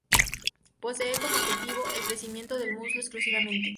Posee como objetivo el crecimiento del músculo exclusivamente.